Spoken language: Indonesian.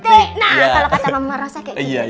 nah kalau kata mama rasa kayak gitu